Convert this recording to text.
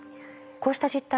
こうした実態